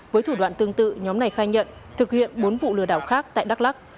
với thủ đoạn tương tự nhóm này khai nhận thực hiện bốn vụ lừa đảo khác tại đắk lắc